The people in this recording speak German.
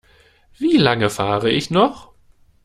Wie lange fahre ich noch?